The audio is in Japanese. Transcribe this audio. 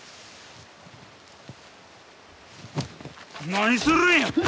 何するんや！